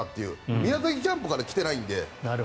宮崎キャンプから来ていないので。